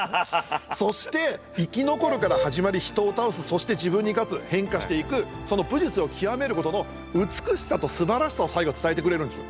そして生き残るから始まり人を倒すそして自分に勝つ変化していくその武術を極めることの美しさとすばらしさを最後伝えてくれるんです。